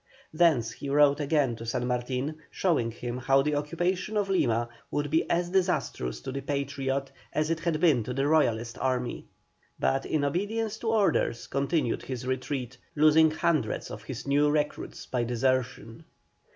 Thence he wrote again to San Martin, showing him how the occupation of Lima would be as disastrous to the Patriot as it had been to the Royalist army, but in obedience to orders continued his retreat, losing hundreds of his new recruits by desertion.